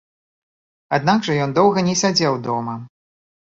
Аднак жа ён доўга не сядзеў дома.